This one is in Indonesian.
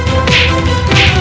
pergi ke rizal sendirian